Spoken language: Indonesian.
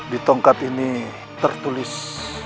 di tongkat ini tertulis